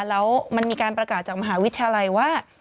แล้วมันมีการประกาศจากมหาวิทยาลัยว่า